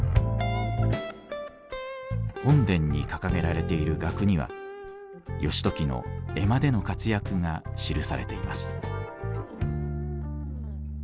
本殿に掲げられている額には義時の江間での活躍が記されています。